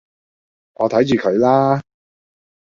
我睇住佢啦